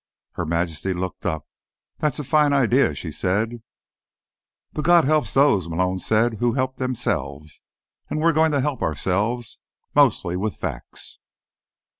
Her Majesty looked up. "That's a fine idea," she said. "But God helps those," Malone said, "who help themselves. And we're going to help ourselves. Mostly with facts."